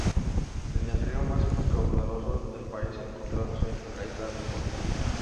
Es el río más caudaloso del país, encontrándose en la Isla Sur.